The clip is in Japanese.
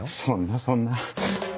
そんなそんな。